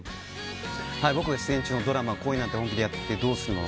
僕が出演中のドラマ「恋なんて、本気でやってどうするの？」